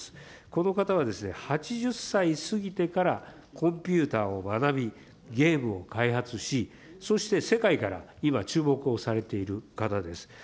この方は、８０歳過ぎてからコンピューターを学び、ゲームを開発し、そして世界から今注目をされている方です。